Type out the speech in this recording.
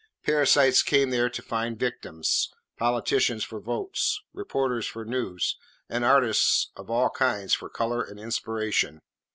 Parasites came there to find victims, politicians for votes, reporters for news, and artists of all kinds for colour and inspiration.